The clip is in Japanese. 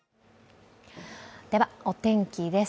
では、お天気です。